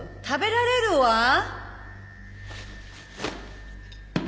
食べられるわ。